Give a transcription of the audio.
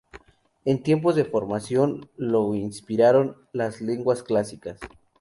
En tiempos de formación lo inspiraron las lenguas clásicas.